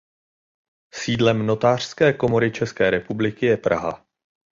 Sídlem Notářské komory České republiky je Praha.